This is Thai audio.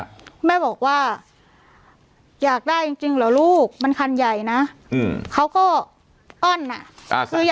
คุณแม่บอกว่าอยากได้จริงเหรอลูกมันคันใหญ่นะเขาก็อ้อนอ่ะ